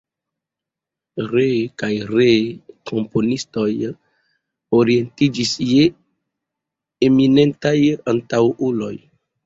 Ree kaj ree komponistoj orientiĝis je eminentaj antaŭuloj.